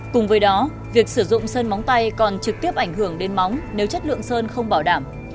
cùng với đó việc sử dụng sơn móng tay còn trực tiếp ảnh hưởng đến móng nếu chất lượng sơn không bảo đảm